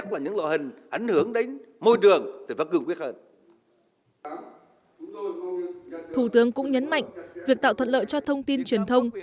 thủ tướng cũng nhấn mạnh việc tạo thuận lợi cho thông tin truyền thông